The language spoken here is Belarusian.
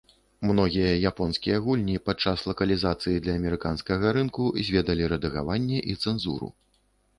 Многія японскія гульні падчас лакалізацыі для амерыканскага рынку зведалі рэдагаванне і цэнзуру.